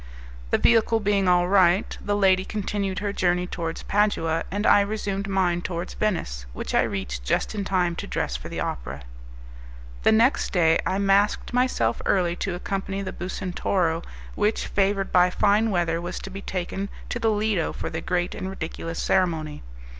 The vehicle being all right, the lady continued her journey towards Padua, and I resumed mine towards Venice, which I reached just in time to dress for the opera. The next day I masked myself early to accompany the Bucentoro, which, favoured by fine weather, was to be taken to the Lido for the great and ridiculous ceremony.